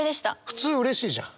普通うれしいじゃん。